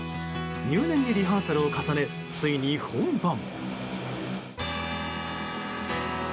入念にリハーサルを重ねついに本番。